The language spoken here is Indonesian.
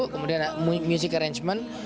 kemudian music arrangement